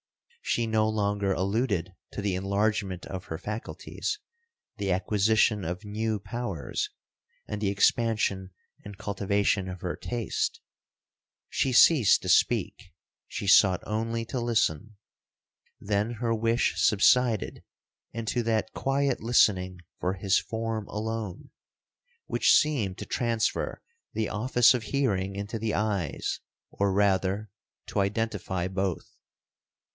She no longer alluded to the enlargement of her faculties, the acquisition of new powers, and the expansion and cultivation of her taste. She ceased to speak—she sought only to listen—then her wish subsided into that quiet listening for his form alone, which seemed to transfer the office of hearing into the eyes, or rather, to identify both.